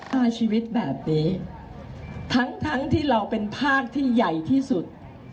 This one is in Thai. ผ่านชีวิตแบบนี้ทั้งที่เราเป็นภาคที่ใหญ่ที่สุด